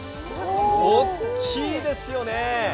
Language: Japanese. おっきいですよね！